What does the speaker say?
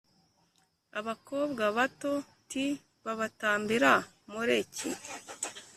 abakobwa babo t babatambira Moleki